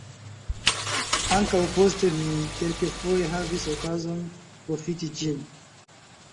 Ankaŭ poste mi kelkfoje havis okazon profiti ĝin.